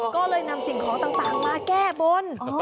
ก็เลยนำสิ่งของต่างมาแก้บน